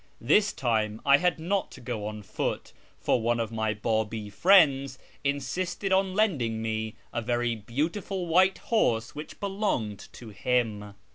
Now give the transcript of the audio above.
This time I had not to go on foot, for one of my Babi friends insisted on lending me a very beautiful white horse which belonged to him.